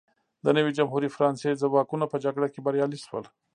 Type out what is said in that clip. د نوې جمهوري فرانسې ځواکونه په جګړه کې بریالي شول.